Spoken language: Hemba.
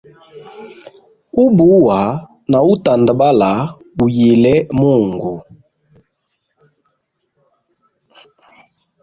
Ubuwa na utandabala biyile mungu.